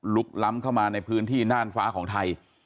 ล้ำเข้ามาในพื้นที่น่านฟ้าของไทย